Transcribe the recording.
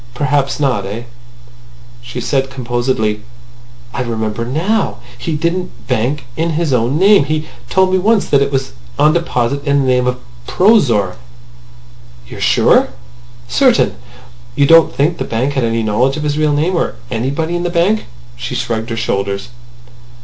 Perhaps not. Eh?" She said composedly: "I remember now! He didn't bank in his own name. He told me once that it was on deposit in the name of Prozor." "You are sure?" "Certain." "You don't think the bank had any knowledge of his real name? Or anybody in the bank or—" She shrugged her shoulders.